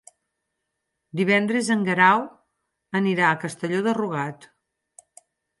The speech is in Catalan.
Divendres en Guerau anirà a Castelló de Rugat.